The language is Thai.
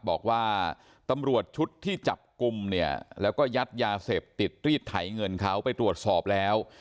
บอกว่าตำรวจชุดที่จับกลุ่มเนี่ยแล้วก็ยัดยาเสพติดรีดไถเงินเขาไปตรวจสอบแล้ว